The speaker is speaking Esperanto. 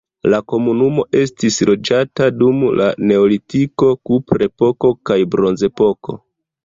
La komunumo estis loĝata dum la neolitiko, kuprepoko kaj bronzepoko.